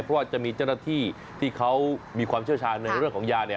เพราะว่าจะมีเจ้าหน้าที่ที่เขามีความเชี่ยวชาญในเรื่องของยาเนี่ย